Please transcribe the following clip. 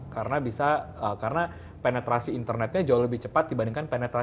karena bisa karena penetrasi internetnya jauh lebih cepat dibandingkan penetrasi dari rumah